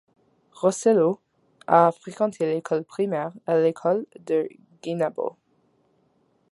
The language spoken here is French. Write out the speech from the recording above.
Rosselló a fréquenté l'école primaire à l'école de Guaynabo.